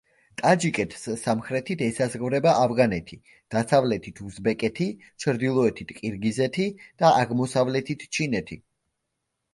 ტაჯიკეთს სამხრეთით ესაზღვრება ავღანეთი, დასავლეთით უზბეკეთი, ჩრდილოეთით ყირგიზეთი და აღმოსავლეთით ჩინეთი.